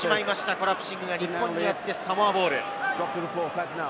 コラプシングが日本にあってサモアボール。